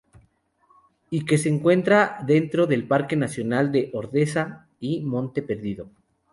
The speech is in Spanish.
Y que se encuentra dentro del Parque Nacional de Ordesa y Monte Perdido.